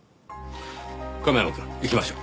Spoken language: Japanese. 亀山くん行きましょう。